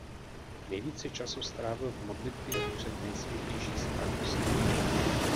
Nejvíce času strávil v modlitbě před Nejsvětější svátostí.